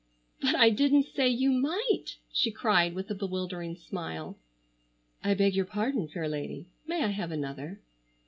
"But I didn't say you might," she cried with a bewildering smile. "I beg your pardon, fair lady, may I have another?"